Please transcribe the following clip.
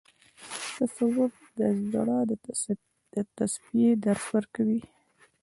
تصوف د زړه د تصفیې درس ورکوي.